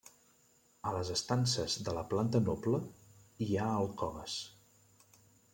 A les estances de la planta noble hi ha alcoves.